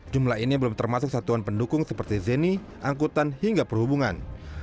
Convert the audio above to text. jumlah ini belum termasuk satuan pendukung seperti zeni angkutan hingga perhubungan